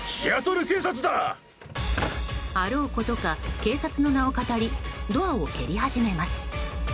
あろうことか警察の名をかたりドアを蹴り始めます。